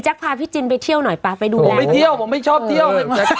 พาพี่จินไปเที่ยวหน่อยป๊าไปด้วยผมไปเที่ยวผมไม่ชอบเที่ยว